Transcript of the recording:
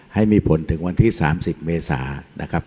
ให้มีผลถึงวันที่๓๐เมษานะครับ